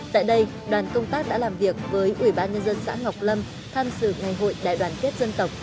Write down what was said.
tại đây đoàn công tác đã làm việc với ủy ban nhân dân xã ngọc lâm tham dự ngày hội đại đoàn kết dân tộc